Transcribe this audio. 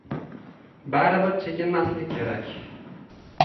Baribir chekinmaslik kerak.